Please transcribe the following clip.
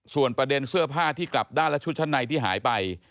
ส่วนประเด็นเสื้อผ้าที่กลับด้านและชุดชั้นในที่หายไป